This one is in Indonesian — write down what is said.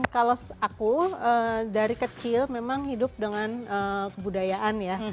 kalau aku dari kecil memang hidup dengan kebudayaan ya